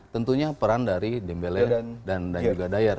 tentunya peran dari dembele dan juga dyer